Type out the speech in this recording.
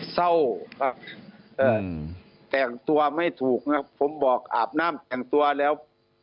เศร้าครับแตกตัวไม่ถูกครับผมบอกอาบน้ำแตกตัวแล้ว